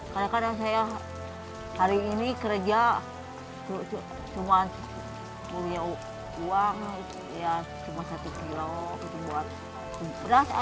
kadang kadang saya hari ini kerja cuma punya uang ya cuma satu kilo gitu buat beras